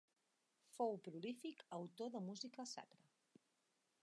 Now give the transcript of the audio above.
Fou prolífic autor de música sacra.